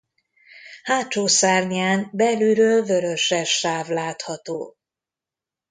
Hátsó szárnyán belülről vöröses sáv látható.